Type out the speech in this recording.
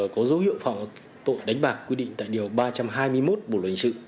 có dấu hiệu tội đánh bạc quy định tại điều ba trăm hai mươi một bộ luật hình sự